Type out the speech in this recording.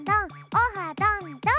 オハどんどん！